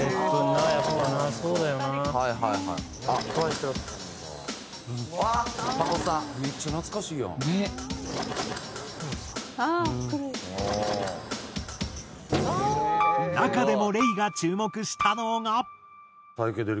中でもＲｅｉが注目したのが。